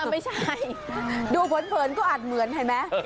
ไม่ใช่ดูเผินก็อาจเหมือนเห็นไหม